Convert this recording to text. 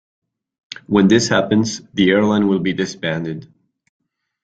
When this happens, the airline will be disbanded.